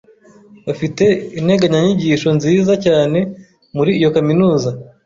Bafite integanyanyigisho nziza cyane muri iyo kaminuza.